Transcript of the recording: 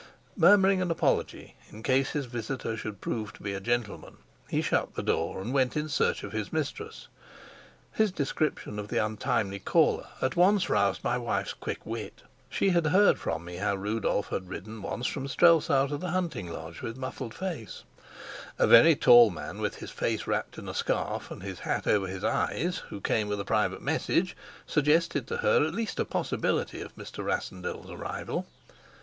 Murmuring an apology in case his visitor should prove to be a gentleman, he shut the door and went in search of his mistress. His description of the untimely caller at once roused my wife's quick wit; she had heard from me how Rudolf had ridden once from Strelsau to the hunting lodge with muffled face; a very tall man with his face wrapped in a scarf and his hat over his eyes, who came with a private message, suggested to her at least a possibility of Mr. Rassendyll's arrival.